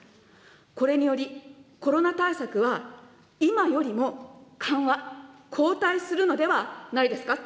これにより、コロナ対策は今よりも緩和、後退するのではないですか。